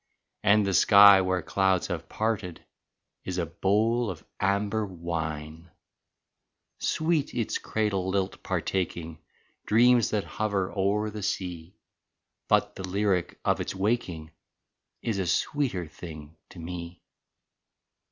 And the sky where clouds have parted Is a bowl of amber wine ! Sweet, its cradle lilt partaking, Dreams that hover o'er the sea, But the lyric of its waking Is a sweeter thing to me!